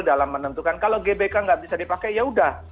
dalam menentukan kalau gbk nggak bisa dipakai ya udah